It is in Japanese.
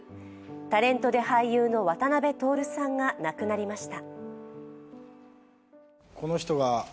タレントで俳優の渡辺徹さんが亡くなりました。